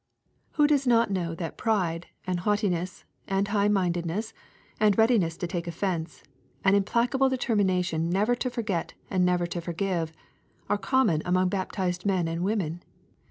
Who does not know that pride, and haughtiness, and high mindedness, and readiness to take offence, and implacable determination never to for get and never to forgive, are common among baptized men and women